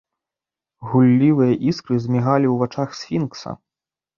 Гуллівыя іскры замігалі ў вачах сфінкса.